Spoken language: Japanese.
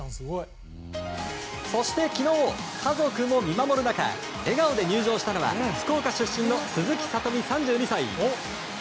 そして昨日、家族も見守る中笑顔で入場したのは福岡出身の鈴木聡美、３２歳。